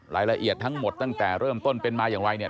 รายละเอียดทั้งหมดตั้งแต่เริ่มต้นเป็นมาอย่างไรเนี่ย